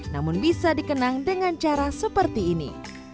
namun bisa dikenang dengan cara seperti ini